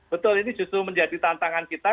betul ini justru menjadi tantangan kita